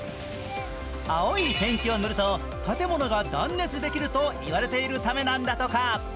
青いペンキを塗ると建物が断熱できると言われているためなんだとか。